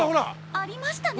ありましたね！